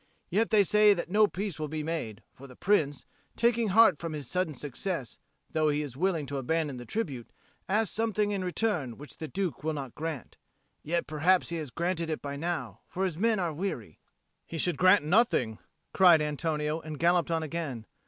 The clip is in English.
Yet they say that no peace will be made; for the Prince, taking heart from his sudden success, though he is willing to abandon the tribute, asks something in return which the Duke will not grant. Yet perhaps he has granted it by now, for his men are weary." "He should grant nothing," cried Antonio, and galloped on again.